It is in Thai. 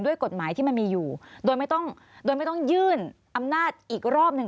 ด้วยกฎหมายที่มันมีอยู่โดยไม่ต้องโดยไม่ต้องยื่นอำนาจอีกรอบหนึ่ง